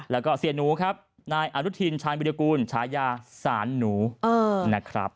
แล้วก็เสียหนูครับนายอนุทินชาญวิรากูลฉายาศาลหนูนะครับ